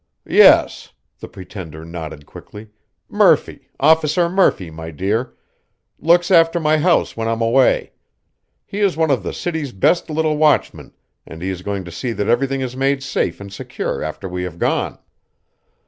"Yes," the pretender nodded quickly. "Murphy, Officer Murphy, my dear looks after my house when I'm away. He is one of the city's best little watchmen and he is going to see that everything is made safe and secure after we have gone."